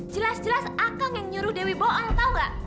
jelas jelas akang yang nyuruh dewi bohong tau gak